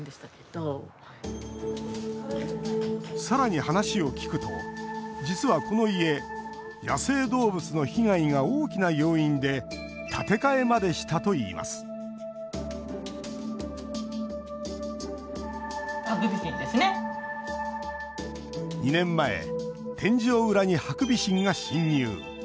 さらに話を聞くと実はこの家野生動物の被害が大きな要因で建て替えまでしたといいます２年前、天井裏にハクビシンが侵入。